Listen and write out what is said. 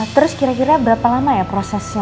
terus kira kira berapa lama ya prosesnya